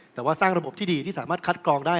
แต่ว่าสร้างระบบที่ดีที่สามารถคัดกรองได้